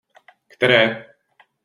Které?